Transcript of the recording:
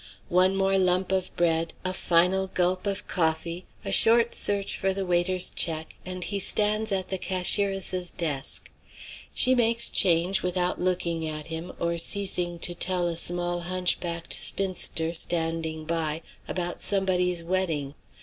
One more lump of bread, a final gulp of coffee, a short search for the waiter's check, and he stands at the cashieress's desk. She makes change without looking at him or ceasing to tell a small hunchbacked spinster standing by about somebody's wedding.